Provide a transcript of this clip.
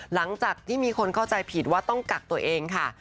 หลังจากที่มีคนเข้าใจผิดว่าต้องกักตัวเองค่ะ